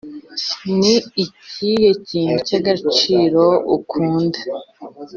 ni ikihe kintu cy’agaciro ukunda